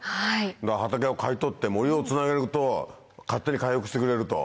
畑を買い取って森をつなげると勝手に回復してくれると。